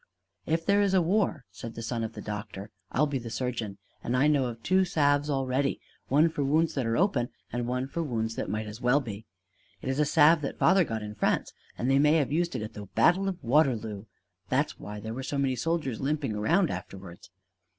"If there is a war," said the son of the doctor, "I'll be the surgeon; and I know of two salves already one for wounds that are open and one for wounds that might as well be. It's a salve that father got in France; and they may have used it at the battle of Waterloo; that's why there were so many soldiers limping around afterwards."